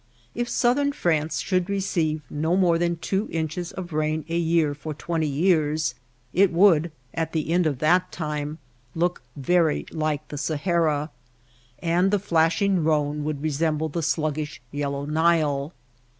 If Southern France should receive no more than two inches of rain a year for twenty years it would, at the end of that time, look very like the Sahara, and the flashing Khone would resemble the sluggish yellow Nile.